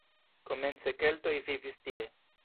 Komence keltoj vivis tie.